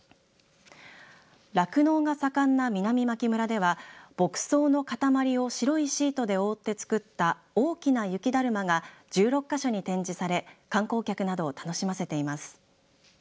酪農が盛んな南牧村では牧草の塊を白いシートで覆って作った大きな雪だるまが１６か所に展示され観光客などを楽しませています。